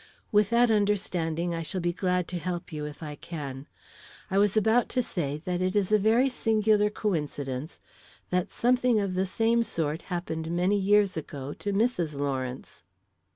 "With that understanding, I shall be glad to help you, if I can. I was about to say that it is a very singular coincidence that something of the same sort happened many years ago to Mrs. Lawrence."